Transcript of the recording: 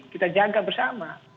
kita jaga bersama